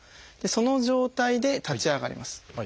その状態で立ち上がります。